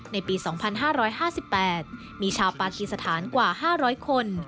ในปี๒๕๕๘มีชาวปากีสถานกว่า๕๐๐คน